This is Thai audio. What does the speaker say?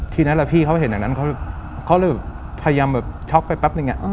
ทีนั้นพี่เขาเห็นอย่างนั้นเขาเลยแบบพยายามแบบช็อกไปแป๊บนึง